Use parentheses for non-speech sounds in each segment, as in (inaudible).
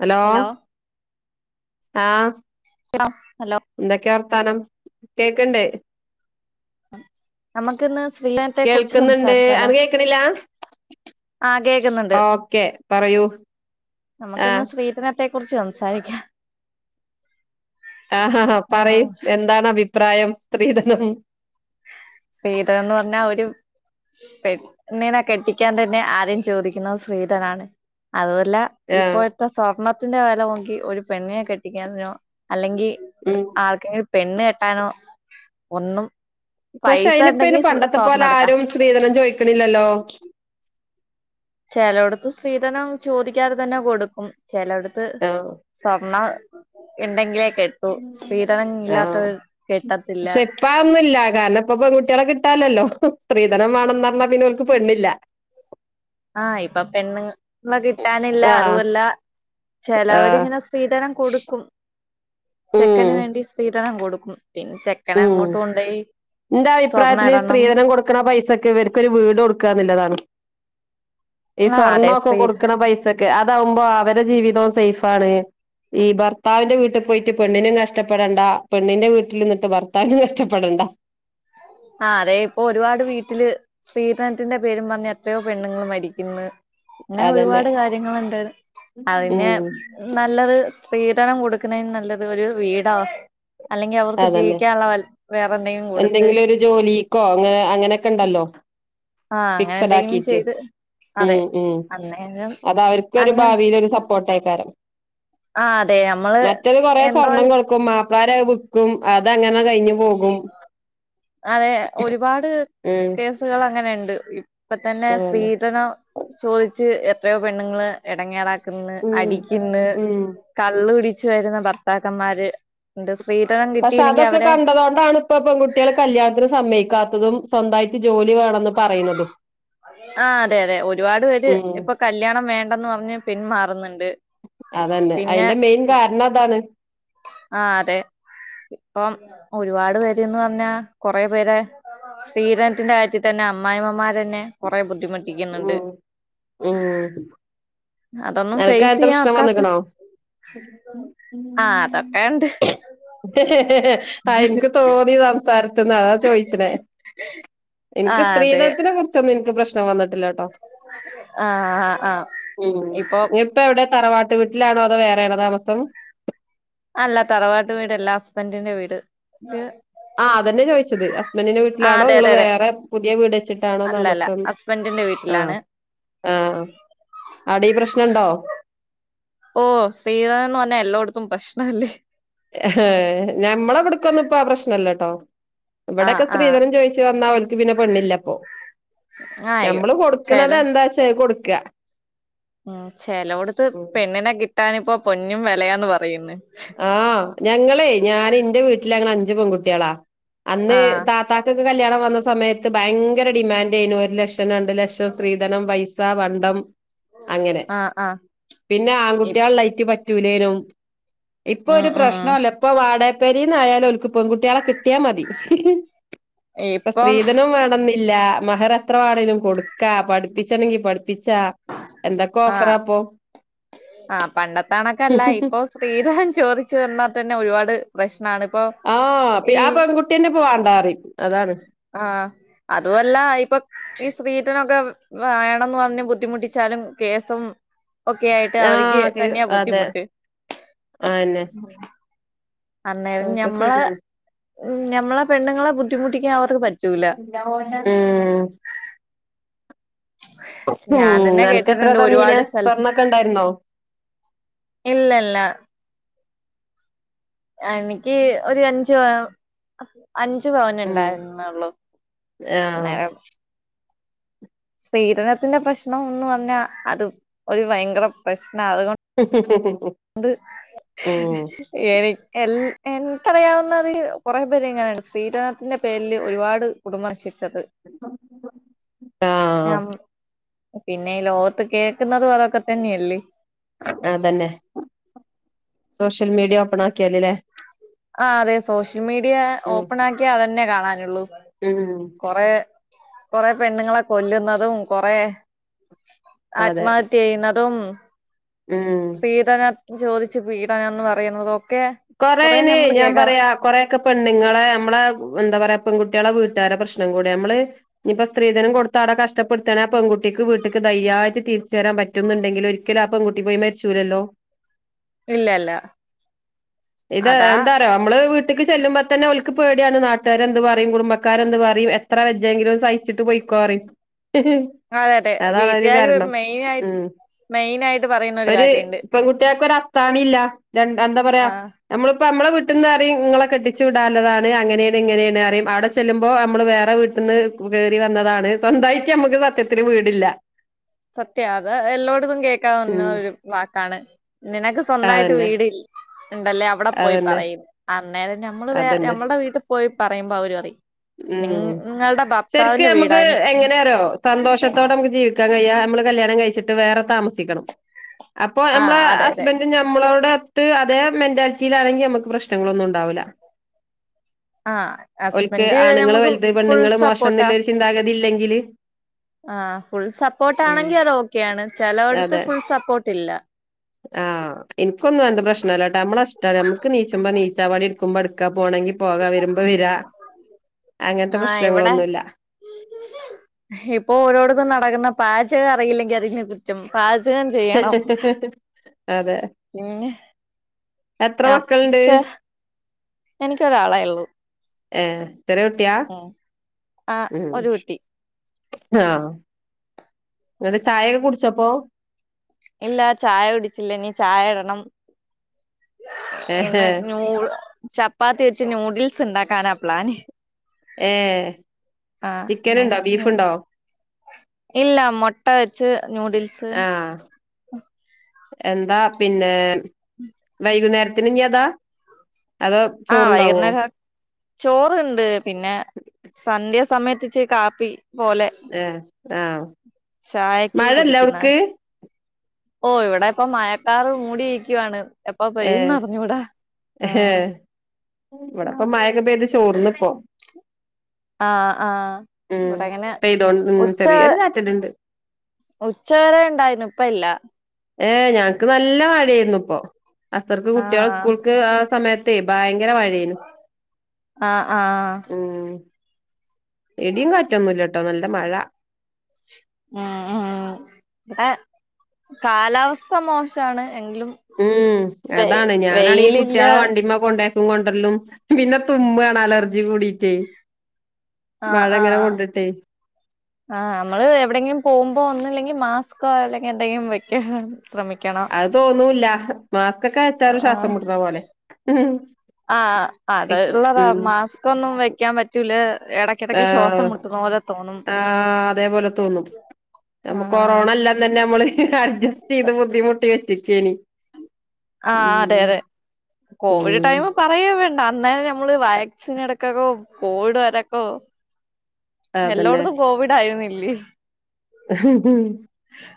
Hello ആഹ്. Hello. എന്തൊക്ക്യ വർത്താനം കേക്ണ്ട്. അമ്മക്ക്ന്ന് സ്ത്രീധനത്തെെ കുറിച്ച് കേൾക്കുന്നുണ്ട് സംസാരിച്ചാലോ. അനക്ക് കേക്കണില്ല ആഹ് കേക്ക്ന്ന്ണ്ട് ഓക്കെ പറയൂ നമക്കിന്ന് ആഹ് സ്ത്രീധന ത്തെ കുറിച്ച് സംസാരിക്ക്യ. ആഹാ ഹാ പറയ് ആഹ് എന്താണ് അഭിപ്രായം സ്ത്രീധനം. സ്ത്രീധനംന്ന് പർഞ്ഞാ ഒരു. പെണ്ണിനെ കെട്ടിക്ക്യാ തന്നെ ആദ്യം ചോദിക്കുന്നത് സ്ത്രീധനാണ് അതുവല്ല. ആഹ് ഇപ്പോഴത്തെ സ്വർണത്തിന്റെ വെല നോക്കി ഒരു പെണ്ണിനെ കെട്ടിക്കറിഞ്ഞോ അല്ലെങ്കി. പെ ഉം ആൾക്കെങ്കിലും പെണ്ണ് കെട്ടാനോ ഒന്നും. പക്ഷെ പൈസ അയിനിപ്പയ്ന് ഉണ്ടെങ്കി പണ്ടത്തെ സ്വർണ്ണം എടുക്കാം പോലാരും സ്ത്രീധനം ചോയ്ക്ണില്ലല്ലോ. ചെലോട്ത്ത് സ്ത്രീധനം ചോദിക്കാതെ തന്നെ കൊടുക്കും ചെലോട്ത്ത്. ആഹ് സ്വർണം ഇണ്ടെങ്കിലേ കെട്ടു സ്ത്രീധനം ഇല്ലാത്തവ കെട്ടത്തില്ല. പ്പാ ഒന്നുല്ല കാരണം പ്പൊ പെൺകുട്ട്യാളെ കിട്ടാലല്ലോ സ്ത്രീധനം വേണംന്ന്റഞ്ഞാ പിന്നോൽക്ക് പെണ്ണില്ല. ആഹ് ഇപ്പ പെണ്ണുങ്ങ ളെകിട്ടാനില്ല ആഹ് അതുമല്ല. ആഹ് ചെലവര്ങ്ങനെ സ്ത്രീധനം കൊടുക്കും. ഉം ചെക്കന് വേണ്ടി സ്ത്രീധനം കൊടുക്കും പിന്നെ ചെ ഉം ക്കനങ്ങോട്ട് കൊണ്ടയി സ്വർണ്ണ ഇടണം. ക്കണ പൈസക് ഇവർക്കൊരു വീട് കൊട്ക്കാ ന്ന്ല്ലതാണ്. ഈ ആഹ് അതെ സ്വർണൊക്കെ സ്ത്രീ കൊടുക്കണ പൈസക്ക് അതാവുമ്പോ അവരെ ജീവിതോം സേഫാണ്. ഈ ഭർത്താവിന്റെ വീട്ട്പോയിട്ട് പെണ്ണിനും കഷ്ടപ്പെടണ്ട പെണ്ണിന്റെ വീട്ടില്ന്ന് ട്ടു ഭർത്താവിനും കഷ്ടപ്പെടണ്ട. ആഹ് അതെ ഇപ്പൊ ഒരുപാട് വീട്ടില് സ്ത്രീധനത്തിന്റെ പേരും പറഞ്ഞ്‌ എത്രയോ പെണ്ണുങ്ങൾ മരിക്ക്ന്ന്. അതന്നെ അങ്ങനൊരുപാട് കാര്യങ്ങള്ണ്ട് അ ഉം പിന്നെ നല്ലത് സ്ത്രീധനം കൊടുക്ക്ണേന് നല്ലത് ഒരു വീടാ അല്ലെങ്കി അവർക്ക് അതന്നെ ജീവിക്കാനുള്ള വേറെ എന്തെങ്കി കൊടുത്ത് ജോലീക്കോ ഇങ്ങന അങ്ങനൊക്കെണ്ടല്ലോ ആഹ് അങ്ങനെ ഫിക്സഡ് എന്തെങ്കിലും ആക്കീട്ട്. ചെയ്ത് അതെ ഉം ഉം അന്നേരം അതവര്ക്കൊരു അങ്ങനെ ഭാവിലൊരു സപ്പോട്ടെയ്ക്കാരം. ആഹ് അതെ നമ്മള് മറ്റത് കൊറെ എന്തോ സ്വർണം കൊടുക്കും മാ പ്ലാരത് വിക്കും അതങ്ങനെ കഴിഞ്ഞ്‌ അതെ ഒരുപാട് ഉം കേസ് കളങ്ങനെണ്ട്. ഇപ്പതന്നെ അതന്നെ സ്ത്രീധനം ചോയ്ച്ച് എത്രയോ പെണ്ണുങ്ങള് എടങ്ങേറാക്ക്ന്ന് ഉം അടിക്കിന്ന് ഉം കള്ള് കുടിച്ച് വരുന്ന ഭർത്താക്കന്മാര് ണ്ട് സ്ത്രീ ധനം കിട്ടിയില്ലെങ്കി അവരെ അതോണ്ടാണ്പ്പ പെൺകുട്ട്യാള് കല്യാണത്തിന് സമ്മയ്ക്കാത്തതും സ്വന്തായിട്ട് ജോലി വേണംന്ന് പറയ്ണതും. ആഹ് അതെ അതെ ഒരുപാട് പേര് ഉം ഇപ്പൊ കല്യാണം വേണ്ടന്ന് പറഞ്ഞ് പിന്മാറുന്ന്ണ്ട്. അതന്നെ അയ്ന്റെ മെയിൻ കാരണം അതാണ്. ആഹ് അതെ ഇപ്പം ഒരുപാട് പേര്ന്ന് പർഞ്ഞ കൊറെ പേരെ സ്ത്രീധനത്തിന്റെ കാര്യത്തി തന്നെ അമ്മായിമ്മമാരെന്നെ കൊറെ ബുദ്ധിമുട്ട് ഉം ഉം അതൊന്നും ഫേസ് അനക്കക്കങ്ങത്തെ ചെയ്യാൻ പ്രശ്നം ഒക്കാത്ത വന്ന്ക്ക്ണോ? (inaudible) ആഹ് അതൊക്കെണ്ട് അത് ഇൻക്ക് തോന്നി സം സാര്ത്ത്ന്ന് അതാ ചോയ്ച്ച്നേ ഇൻക്ക് ആഹ് അതെ സ്ത്രീധത്തിനെ കുർ ച്ചൊന്നും ഇൻക്ക് പ്രശ്നം വന്നട്ടില്ലാട്ടോ ആഹ് ആഹ് ആഹ് ഇപ്പൊ ഇപ്പ എവ്ടെ തറവാട്ട് വീട്ട്ലാണോ അതോ വേറെയാണോ താമസം അല്ല തറവാട്ട് വീടല്ല ഹസ്ബന്റിന്റെ വീട്. ആഹ് അതന്നെ ചോയ്ച്ചത് ഹസ്ബന്റിന്റെ ആഹ് വീട്ട്ലാണോ അതെ ഇങ്ങള് അതെ അതെ വേറെ പുതിയ വീടെച്ചിട്ടാണോ താമസം? ന്റെ വീട്ട്ലാണ് ആഹ് അവ്ടെ ഈ പ്രശ്നണ്ടോ? ഓഹ് സ്ത്രീധനോന്ന് പറഞ്ഞാ എല്ലോട് ത്തും പ്രശ്നല്ലേ ഞമ്മള് വ്ട്ക്കൊന്നും പ്പ ആ പ്രശ്നല്ലട്ടോ. ആഹ് ഇവടൊക്കെ ആഹ് സ്ത്രീധനം ചോയ്ച്ച് വന്ന ഓൽക്ക് പിന്നെ പെണ്ണ്ല്ലപ്പോ ആഹ് ഞമ്മള് ചെല കൊട്ക്ക്ണതെന്താച്ചാ അത് കൊട്ക്കാ ഉം ചെലോട്ത്ത് പെണ്ണിനെ കിട്ടാനിപ്പോ പൊന്നും വെലയാന്ന് പറയുന്നെ ആഹ് ഞങ്ങളെ ഞാന് ന്റെ വീട്ടിലങ്ങള് അഞ്ച് പെൺകുട്ട്യാളാ അന്ന് ആഹ് താത്ത കൊക്ക് കല്യാണം വന്ന സമയത്ത് ഭയങ്കര ഡിമാൻന്റെനു ഒരു ലക്ഷം രണ്ട് ലക്ഷം സ്ത്രീധനം പൈസ പണ്ടം അങ്ങനെ ആഹ് ആഹ് പിന്നെ ഇപ് ആൺകുട്ടികൾ ല്ലായ്റ്റ് പറ്റൂലേനും ഇപ്പൊ ഉം ഒരു ഉം പ്രശ്നോ ല്ല ഇപ്പൊ വാടാപ്പേരിന്ന്യാലും ഓൽക്ക് പെൺകുട്ട്യേളെ കിട്ടിയാ മതി. പ്പ ഇപ്പം സ്ത്രീധനും വ ണന്നില്ല മഹറ് എത്ര വാണേലും കൊട്ക്കാ പഠിപ്പിച്ചണെങ്കി പഠിപ്പിച്ചാ എന്തൊക്കെ ആഹ് ഓഫറാപ്പൊ ആഹ് പണ്ടത്തെണക്കല്ല ഇപ്പൊ സ്ത്രീ ധനം ചോദിച്ചു വന്നാ തന്നെ ഒരുപാട് പ്രശ്നാണ് പ്പോ ആഹ് പി ആ പെണ്കുട്ടിയെന്നെ പ്പ വാണ്ടാറിം അതാണ് ആഹ് അതു അല്ല ഇപ്പം ഈ സ്ത്രീ ധനൊക്കെ വ വേണംന്ന് പർഞ്ഞ് ബുദ്ധിമുട്ടിച്ചാലും കേസും ഒക്കെ ആയിട്ട് അവർക്ക് ആഹ് കി തന്നെയാ അതെ ബുദ്ധിമുട്ട് അയെന്നെ അന്നേരം ഒക്കെ ഞമ്മളെ ശരിയാണ് ഞമ്മളെ പെണ്ണുങ്ങളെ ബുദ്ധിമുട്ടിക്കാൻ അവർക്ക് പറ്റൂല. ഉം ഞാൻ തന്നെ ഉം അനക്കെത്ര കേട്ടിട്ടോണ്ട് തന്നീനെ ഒരുപാട് സ്ഥലത്ത് സ്വർണ്ണൊക്കെ ഇണ്ടായിരുന്നോ ഇല്ല ഇല്ല എനിക്ക് ഒര് അഞ്ച് അഞ്ച് പവനെ ഉം ഇണ്ടായിരുന്നള്ളു ആഹ് അന്നേരം സ്ത്രീധനത്തിന്റെ പ്രശ്ണം എന്ന് പറഞ്ഞാ അത് ഒരു ഭയങ്കര പ്രശ്നാ അതുകൊ ഉണ്ട് ഉം എനി എല്ലാ എൻക്കറിയാവുന്നതില് കൊറെ പേര് എങ്ങനാണ് ശ്രീരാട്ടേന്റെ പേരില് ഒരുപാട് കുടുംബശിച്ചത് ആഹ് ഞ പിന്നെ ലോത്ത് കേൾക്കുന്നതും അതൊക്കെ തന്നെയല്ലേ അങ്ങനെ തന്നെ സോഷ്യൽ മീഡിയ ഓപ്പൺ ആക്കിയാലല്ലേ ആഹ് അതെ സോഷ്യൽ മീഡിയ ഉം ഓപ്പൺ ആക്കിയ അതന്നെ കാണാനുള്ളൂ ഉം കൊറെ കൊറെ പെണ്ണുങ്ങളെ കൊല്ലുന്നതും കൊറെ അതെ ആത്മഹത്യ ചെയ്യുന്നതും ഉം സ്ത്രീധനം ചോദിച്ച് പീഡനം എന്ന് പറയുന്നത് ഒക്കെ കൊറയനെ ഞാൻ പറയാം കൊറെയൊക്കെ പെണ്ണുങ്ങളെ നമ്മളെ എന്താ പറയാ പെൺകുട്ടികളെ വീട്ടുകാരെ പ്രശ്നം കൂടിയാ ഞമ്മള് ഇപ്പം സ്ത്രീധനം കൊടുത്ത അവടെ കഷ് കഷ്ടപ്പെടുത്താൻ ആ പെങ്കുട്ടിക്ക് വീട്ടക്ക് ധൈര്യാട്ട് തിരിച്ച് വെരാൻ പറ്റുന്നുണ്ടെങ്കില് ഒരിക്കലും ആ പെങ്കുട്ടി പോയി മരിച്ചൂലല്ലോ ഇല്ല ഇല്ല ഇത് എന്താറിയോ ഞമ്മള് വീട്ടിക്ക് ചെല്ലുമ്പോ തന്നെ ഓൽക്ക് പേടയാണ് നാട്ടുകാര് എന്ത് പറയും കുടുംബക്കാര് എന്ത് പറയും എ എത്ര വെജെങ്കിലും സഹിച്ചിട്ട് പോയിക്കോ പറയും അതെ അതെ അതാണ് ഒര് വീട്ടുകാര് കാരണം മെയിനായിട്ട് ഉം മെയിനായിട്ട് പറയുന്ന ഒരു ഒര് കാര്യണ്ട് പെൺകുട്ടികക്ക് ഒര് അത്താണി ഇല്ല രണ്ട് എന്താ പറയാ ആഹ് നമ്മളിപ്പോ നമ്മളെ വീട്ടീന്ന് പറയും ഇങ്ങളെ കെട്ടിച്ചു വിടാള്ളതാണ് അങ്ങനാണ് ഇങ്ങനെയാണ് അറിയും അവടെ ചെല്ലുമ്പോ നമ്മള് വേറെ വീ ട്ട്ന്ന് കെറി വന്നതാണ് സ്വന്തായിറ്റ് ഞമ്മുക്ക് സത്യത്തിന് വീടില്ല സത്യാത് എല്ലോടന്നും കേൾക്കാൻന്ന ഉം ഒരു വാക്കാണ് നിനക്ക് സ്വന്തായിട്ട് അതന്നെ വീടി ഇണ്ടെല്ലാം അവടെ പോയി അതന്നെ പറയും അന്നേരം നമ്മള് വേ അതന്നെ ഞമ്മളടെ വീട്ടി പോയി പറയുമ്പോ അവര് പറ ഉം നിങ്ങളെ ശരിക്ക് ഭർത്താവിന്റെ നമുക്ക് വീടാനി എങ്ങനെയാറിയോ സന്തോഷത്തോടെ ഞമ്മക്ക് ജീവിക്കാൻ കഴിയാ ഞമ്മള് കല്യാണം കഴിച്ചിട്ട് വേറെ താമസിക്കണം അപ്പൊ ഞമ്മളെ ആഹ് അതെ അതെ ഹസ്ബെന്റിന് ഞമ്മളോട് അത് അതേ മെന്റാലിറ്റിയിലാണെങ്കി ഞമ്മ്ക്ക് പ്രശ്നങ്ങളൊന്നും ഒണ്ടാവൂല ആഹ് ഓൽക്ക് ഹസ്ബൻഡ് ആണുങ്ങള് നമുക്ക് വലുത് ഫുൾ പെണ്ണുങ്ങള് മോശം സപ്പോർട്ടാ എന്നിള്ളൊരു ചിന്താഗതി ഇല്ലെങ്കില് ആഹ് ഫുൾ സപ്പോട്ട് ഉം ആണെങ്കി അത് ഓക്കെയാണ് ചെലോടുത്ത് അതെ ഫുൾ സപ്പോട്ട് ഇല്ല ആഹ് എനിക്കൊന്നും അന്ത പ്രശ്ന ഇല്ലാട്ടാ നമ്മളഷ്ട നമ്മുക്ക് നീച്ച്പോ നീച്ചാമതി ട്ക്കുമ്പോ എട്ക്ക പോണെങ്കി പോകാ വെരുമ്പോ വെരാ ആഹ് ഇവടെ ഇപ്പൊ ഓരോടത്തും നടക്കന്ന പാജക അറിയില്ലെങ്കി അതിന് റ്റും പാചകം ചെയ്യണം അതെ പിന്നെ എത്ര ആഹ് മക്കളുണ്ട് ച്ചേ എനിക്കൊരാളേ ഇള്ളൂ ഏയ് ചെറികുട്ടിയ ആഹ് ഉം ഒരു കുട്ടി ആഹ് നിങ്ങള് ചായക്കെ കുടിച്ചപ്പോ? ഇല്ല ചായ കുടിച്ചില്ല ഇനി ചായ ഇടണം ഏഹ് ഇന്ന് ചപ്പാത്തി വെച്ച് നൂഡിൽസ് ഉണ്ടാക്കാനാ പ്ലാന്. ഏ... ആ്, ഇല്ല മുട്ട വെച്ച് ന്യൂഡിൽസ്. ആഹ. എന്താ പിന്നെ? വൈകുന്നേരത്തിന് ഇനി അതാ? അതോ ആഹ്, ചോറുണ്ടാവോ വൈകുന്നേരം. ചോറുണ്ട്, പിന്നെ സന്ധ്യ സമയത്ത്ച്ച് കാപ്പി പോലെ... എ ആഹ. ചായക്ക് കുടിക്കണ? ഓ, ഇവിടെ ഇപ്പ മഴക്കാർ മൂടിയിരിക്കുവാണ് എപ്പ പെയ്യുന്ന് ഏഹ് അറിഞ്ഞൂട. ഏഹ് ഇവിടെപ്പ മയക പൈത് ചോർന്നിപ്പോ. ആഹ് ആഹ് ഉം, ഇവിടെ അങ്ങനെ പൈതോണ്ട്ന്ന് ചെറിയൊരു ചാറ്റലുണ്ട്. ഉച്ച വരെ ഉണ്ടായിനു, ഇപ്പ ഇല്ല. ഏഹ്, ഞങ്ങക്ക് നല്ല മഴയായിരുന്നു ഇപ്പൊ. അസർക്ക് കുട്ടികൾ ആഹ് സ്കൂൾക്ക് ആ സമയത്തേ ഭയങ്കര മഴെയിനു. ആഹ ആഹ... ഇടിയും കാറ്റൊന്നുല്ലട്ടോ, നല്ല മഴ. ഉംഉം, കാലാവസ്ഥ മോശമാണ്. എങ്കിലും... ഉം, വെ അതാണ് ഞാനാണെങ്കി ഈ വെയിലില്ല കുട്ടികളെ വണ്ടിമ്മ കൊണ്ടേ കൊണ്ടര്ലും, പിന്നെ തുമ്പാണ്, അലർജി കൂടിട്ടേ. അ മഴ ആഹ് ഇങ്ങനെ ആഹ. കൊണ്ടിട്ടേ ആഹ്, നമ്മള് എവിടെങ്കിലും പോകുമ്പോ, ഒന്നല്ലെങ്കിൽ മാസ്കോ അല്ലെങ്കിൽ എന്തെങ്കിലും വെക്കണം. ശ്രമിക്കണം. തോന്നൂല്ല. മാസ്ക്കൊക്കെ വെച്ചാലും ആഹ് ശ്വാസം മുട്ടുന്ന പോലെ. ഉം.. തൊന്നും വെക്കാൻ പറ്റൂല, എട ആഹ, ആ അതേപോലെ തോന്നും. നമ്മ ആഹ് കൊറോണ അല്ല ന്നെ നമ്മള് അഡ്ജസ്റ്റ് ചെയ്ത് ബുദ്ധിമുട്ടി വെച്ചക്കാണ്. ആഹ്, അതെ അതെ. കോവിഡ് ഉം ടൈം... പറയേ വേണ്ട, അന്നാരം നമ്മള് വാക്സിൻ എടുക്കക്കോ കോവിഡ് വരാക്കോ... അതന്നെ എല്ലോടത്തും കോവിഡ് ആയിരുന്നില്ലേ? ഹ് ഉം...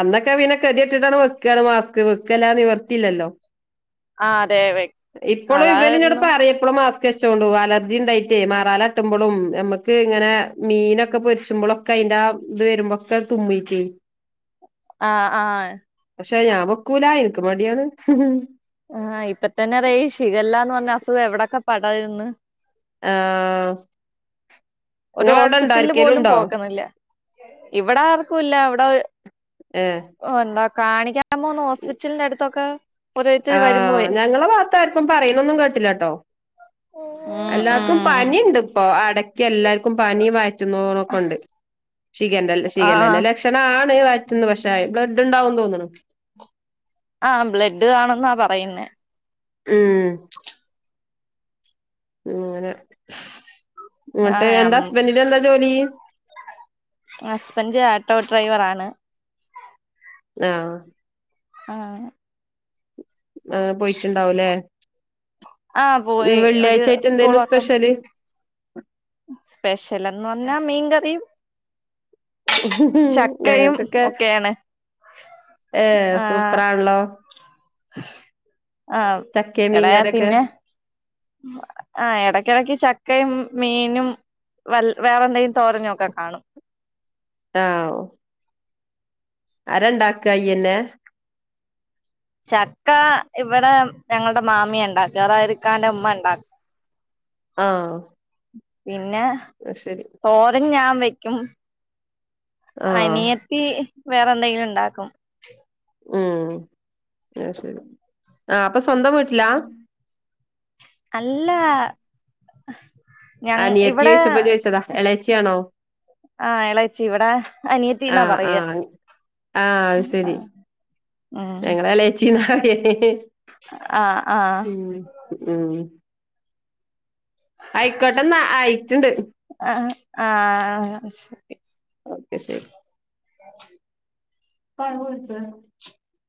അന്നൊക്കെ പിന്നെ കെതി കെട്ട്ട്ടാണ് വെക്കാണ് മാസ്ക്. വെക്കലാന്ന് നിവർത്തിയില്ലല്ലോ? ആഹ് അതെ ഇപ്പോളും ഇവര് എന്നോട് അതായിരുന്നു പറയല് പ്പളും മാസ്ക് വെച്ചോണ്ടു അലർജി ഉണ്ടായിട്ട് മറാലട്ടുമ്പളും, നമുക്ക് ഇങ്ങനെ മീനൊക്കെ പൊരിച്ചുമ്പളും... കയിന്റെ ഇത് വരുമ്പ്പൊക്കെ തുമ്മിക്ക് ആഹ ആഹ പക്ഷെ ഞാൻ വെക്കൂലാ എനിക്ക് മടിയാണ് ആഹ് ഇപ്പത്തന്നെ റേ ഷിഖല്ലാ എന്ന് പറഞ്ഞ അസുഖം എവിടെയൊക്കെ പടരുന്ന് ആഹ ഒരു ഹോസ്പിറ്റലില് പോലും ഉണ്ടോ പോക്കുന്നില്ല ഇവിടെ ആർക്കും ഇല്ല അവിടെ ഏ ഓ എന്താ കാണിക്കാൻ പോന്ന ഹോസ്പിറ്റലിന്റെ അടുത്തൊക്കെ ഓരോരുത്തര് ആഹ, വരുമ്പോഴേ ഞങ്ങള പാത്താർക്കും പറയണൊന്നും കേട്ടില്ല ട്ടോ? (unintelligible) എല്ലാർക്കും ഉം പനിണ്ട് ഇപ്പോ, അടക്കി എല്ലാർക്കും പനി വയറ്റ് ന്നോക്കൊക്കെ ഉണ്ട്. ഷി ആഹ് ഷിഗല്ലന്റെ ആഹ് ലക്ഷണാണ് വറ്റന്ന് പക്ഷേ ബ്ലഡ് ഉണ്ടാവുന്ന് തോന്നുന്നു ആഹ് ബ്ലഡ് കാണുന്ന പറയുന്നെ ഉം അങ്ങനെ എന്നിട്ട് ഞാൻ എന്താ ഹസ്ബൻഡന്റെ എന്താ ജോലി ഹസ്ബൻഡ് ആട്ടോ ഡ്രൈവറാണ് (unintelligible) ആഹ് ആ പോയിട്ട്ണ്ടാവും ലെ ആഹ് പോയി ഒരു വെള്ളിയാഴ്ചായിട്ട് എന്തേയ്ന്നു സ്പെഷ്യല് സ്പെഷ്യലെന്ന് പറഞ്ഞാ മീൻകറീം ഉഹ്ഹും ഞങ്ങക്കൊക്കെ ഒക്കെയാണ് ഏ ആഹ് സൂപ്പറാണല്ലോ ആഹ് ചക്കേം മീൻകറിഒക്കെ ആ എടക്കെടക്ക് ചക്കയും മീനും വൽ വേറെന്തേലും തോരനൊക്കെ കാണും ആവൂ ആരാണ്ടാക്ക ഈയ്യന്നെ ചക്ക ഇവടെ ഞങ്ങൾടെ മാമിയാ ഇണ്ടാക്ക അതായത് ഇക്കാന്റെ ഉമ്മ ഇണ്ടാ (inaudible) ആഹ് പിന്നെ അത് ശരി തോരൻ ഞാൻ വെക്കും ആഹ് അനിയത്തി വേറെന്തെങ്കിലും ഉണ്ടാക്കും ഉം അത് ശരി ആ അപ്പൊ സ്വന്തം വീട്ടിലാ അല്ല ഞ ഇവിടെ അനിയത്തീഓയിച്ചപ്പോ ചോദിച്ചതാ എളേച്ചി ആണോ ആഹ് എളേച്ചി ഇവിടെ അനിയത്തീ ന്നാ ആഹ് പറയ ആഹ് ആഹ് അത് ശരി ആഹ് (unintelligible) ആ ആ ഉം ഉം അയിക്കോട്ടെന്നാ ആയിട്ട്ണ്ട് അഹഹാ ആഹ് ശരി ഓക്കെ ശരി (unintelligible) (unintelligible)